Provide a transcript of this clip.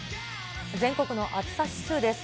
全国の暑さ指数です。